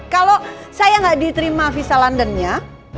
kalau saya nggak diterima visa londonnya